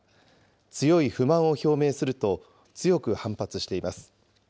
強い不満を表明すると強く反発しています。